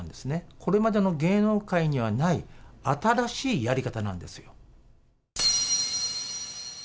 これまでの芸能界にはない、新しいやり方なんですよ。